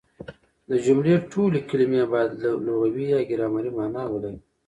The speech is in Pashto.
د جملې ټولي کلیمې باید لغوي يا ګرامري مانا ولري.